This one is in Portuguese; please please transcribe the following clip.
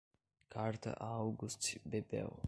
Carta a August Bebel